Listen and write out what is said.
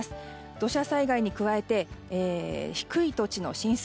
土砂災害に加えて低い土地の浸水